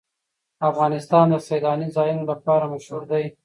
افغانستان د سیلانی ځایونه لپاره مشهور دی.